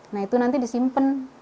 nah itu nanti disimpen